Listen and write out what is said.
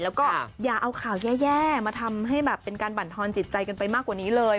แล้วก็อย่าเอาข่าวแย่มาทำให้แบบเป็นการบรรทอนจิตใจกันไปมากกว่านี้เลย